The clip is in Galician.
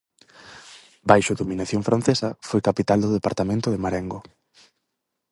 Baixo dominación francesa, foi capital do departamento de Marengo.